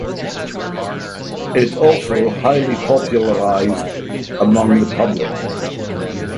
It also highly popularized among the public.